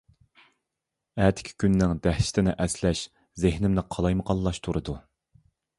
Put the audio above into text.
ئەتىكى كۈننىڭ دەھشىتىنى ئەسلەش زېھنىمنى قالايمىقانلاشتۇرىدۇ.